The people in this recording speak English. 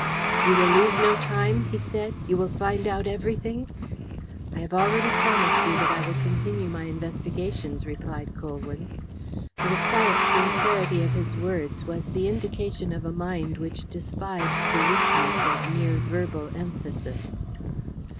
"You will lose no time?" he said. "You will find out everything?" "I have already promised you that I will continue my investigations," replied Colwyn. The quiet sincerity of his words was the indication of a mind which despised the weakness of mere verbal emphasis.